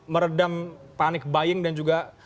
meredam panik buying dan juga